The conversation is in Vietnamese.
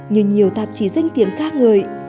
như nhiều tạp chí danh tiếng khác người